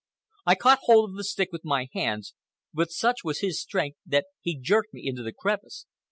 I caught hold of the stick with my hands, but such was his strength that he jerked me into the crevice.